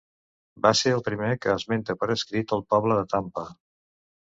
Va ser el primer que esmenta per escrit el poble de Tampa.